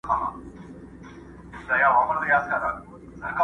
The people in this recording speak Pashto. نن پښتون پر ویښېدو دی؛